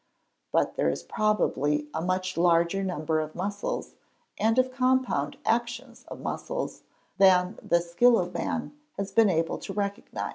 But there is probably a much larger number of muscles, and of compound actions of muscles, than the skill of man has been able to recognise.